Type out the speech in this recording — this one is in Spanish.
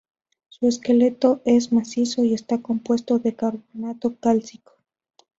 Su esqueleto es macizo, y está compuesto de carbonato cálcico.